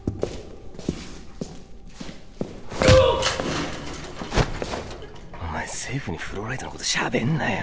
うおっ！お前政府にフローライトのことしゃべんなよ